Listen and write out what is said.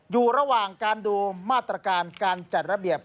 อยู่ระหว่างการดูมาตรการการจัดระเบียบ